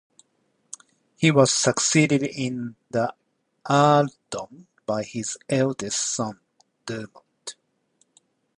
He was succeeded in the earldom by his eldest son, Dermot.